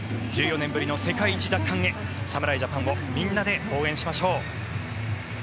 １４年ぶりの世界一奪還へ侍ジャパンをみんなで応援しましょう。